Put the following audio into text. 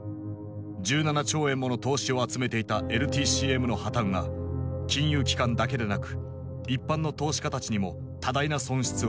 １７兆円もの投資を集めていたＬＴＣＭの破綻は金融機関だけなく一般の投資家たちにも多大な損失をもたらした。